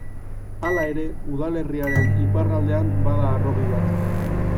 Hala ere, udalerriaren iparraldean bada harrobi bat.